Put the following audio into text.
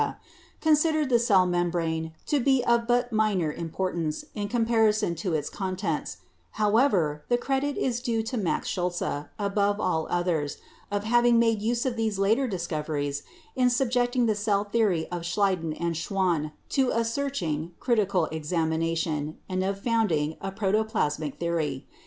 considered the cell membrane to be of but minor 66 BIOLOGY importance in comparison to its contents; however, the credit is due to Max Schultze, above all others, of having made use of these later discoveries in subjecting the cell theory of Schleiden and Schwann to a searching critical examination, and of founding a protoplasmic theory.